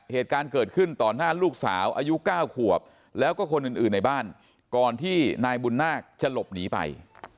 เหตุการณ์เกิดขึ้นต่อหน้าลูกสาวอายุ๙ขวบแล้วก็คนอื่นในบ้านก่อนที่นายบุญนาคจะหลบหนีไป